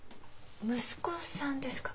息子さんですか？